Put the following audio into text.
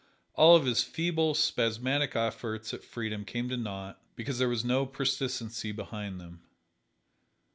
All of his feeble, spasmodic efforts at freedom came to naught, because there was no persistency behind them.